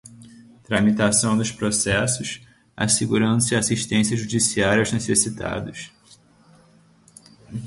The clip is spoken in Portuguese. tramitação dos processos, assegurando-se assistência judiciária aos necessitados;